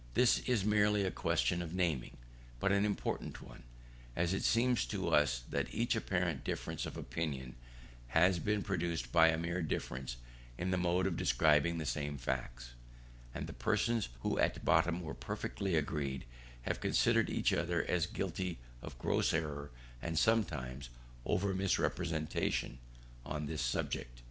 This is merely a question of naming, but an important one, as it seems to us that much apparent difference of opinion has been produced by a mere difference in the mode of describing the same facts, and that persons who at bottom were perfectly agreed, have considered each other as guilty of gross error, and sometimes oven misrepresentation, on this subject.